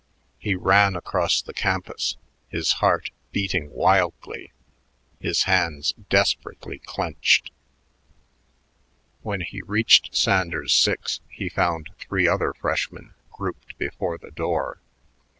He ran across the campus, his heart beating wildly, his hands desperately clenched. When he reached Sanders 6, he found three other freshmen grouped before the door.